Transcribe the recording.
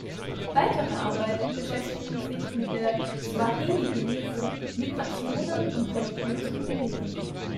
Weitere Arbeiten beschäftigten sich mit der Swahili-Genese, Migrationen und religiösen Bewegungen.